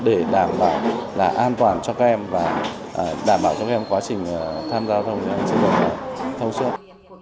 để đảm bảo là an toàn cho các em và đảm bảo cho các em quá trình tham gia giao thông trên đường bộ thông suốt